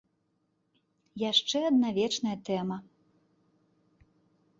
Яшчэ адна вечная тэма.